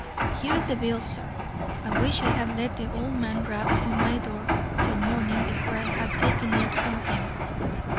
Here's the bill, sir. I wish I had let the old man rap on my door till morning before I had taken it from him."